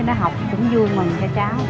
nó học cũng vui mừng cho cháu